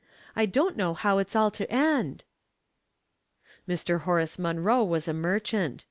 I don't know how it's all to end." Mr. Horace Munroe was a merchant.